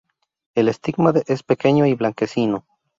El estigma es pequeño, y blanquecino.